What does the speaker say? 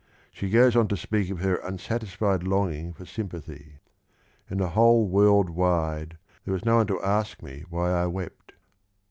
She goes on to speak of her unsatisfied longing for sympathy : in the whole world wide There was no one to ask me why I wept.